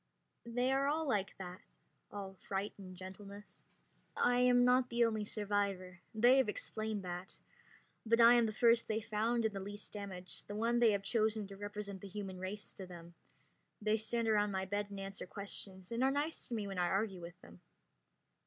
They are like that, all fright and gentleness. I am not the only survivor they have explained that but I am the first they found, and the least damaged, the one they have chosen to represent the human race to them. They stand around my bed and answer questions, and are nice to me when I argue with them.